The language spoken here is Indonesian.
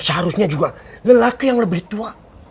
seharusnya juga lelaki yang lebih tua